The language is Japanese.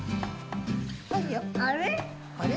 あれ？